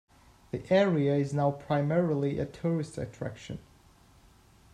The area is now primarily a tourist attraction.